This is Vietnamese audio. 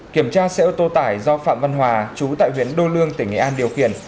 kiểm tra xe ô tô tải do phạm văn hòa chú tại huyện đô lương tỉnh nghệ an điều khiển